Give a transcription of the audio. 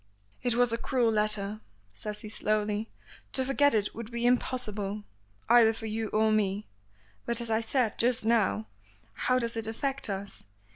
"It was a cruel letter," says he slowly; "to forget it would be impossible, either for you or me. But, as I said just now, how does it affect us?